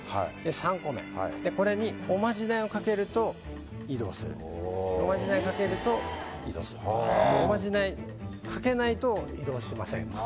３個目これにおまじないをかけると移動するおまじないかけると移動するおまじないかけないと移動しません